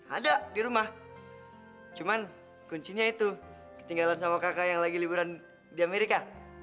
ada di rumah cuman kuncinya itu ketinggalan sama kakak yang lagi liburan di amerika